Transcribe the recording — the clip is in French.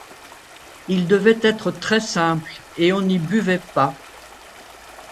Il devait être très simple et on n'y buvait pas.